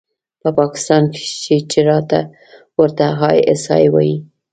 په پاکستان کښې چې ورته آى اس آى وايي.